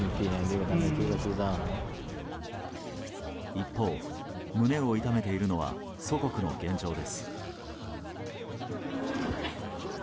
一方、胸を痛めているのは祖国の現状です。